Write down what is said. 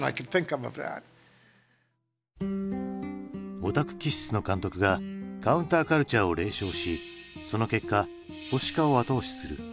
オタク気質の監督がカウンターカルチャーを冷笑しその結果保守化を後押しする。